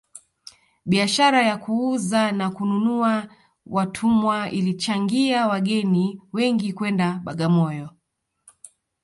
biashara ya kuuza na kununua watumwa ilichangia wageni wengi kwenda bagamoyo